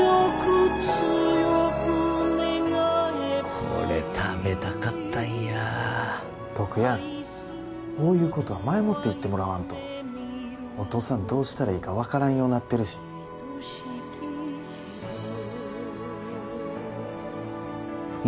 これ食べたかったんやあ篤やんほうゆうことは前もって言ってもらわんとお父さんどうしたらいいか分からんようなってるしな